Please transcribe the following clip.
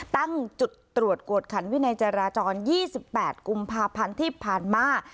ตั้งจุดตรวจกวดขันวินัยจราจร๒๘กุมภาพันธ์ที่ผ่านมา